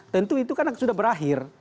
tentu itu kan sudah berakhir